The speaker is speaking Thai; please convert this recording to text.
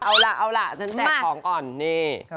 เอาล่ะฉันแตกของก่อนนี่